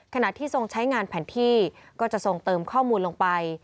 ขณะที่ทรงใช้งานแผนที่ก็จะทรงเติมข้อมูลลงไป